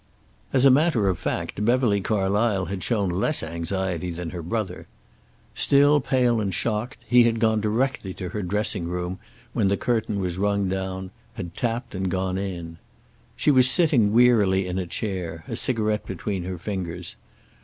As a matter of fact, Beverly Carlysle had shown less anxiety than her brother. Still pale and shocked, he had gone directly to her dressing room when the curtain was rung down, had tapped and gone in. She was sitting wearily in a chair, a cigarette between her fingers.